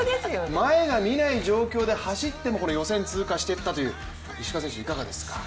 前が見えない状態で走っても、予選通過していったといういかがですか。